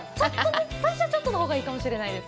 最初はちょっとのほうがいいかもしれないです。